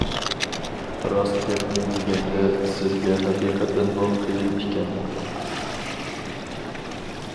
-راست گەپنى دېگەندە، سىزگە ھەقىقەتەنمۇ قىيىن ئىكەن.